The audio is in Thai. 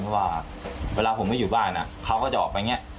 เพราะว่าเวลาผมไม่อยู่บ้านเขาก็จะออกไปอย่างนี้